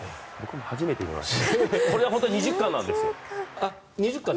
僕も始めてみました。